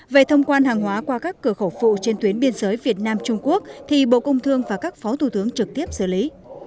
về thông quan hàng hóa qua các cửa khẩu phụ trên tuyến biên giới việt nam trung quốc thì bộ công thương và các phó thủ tướng trực tiếp xử lý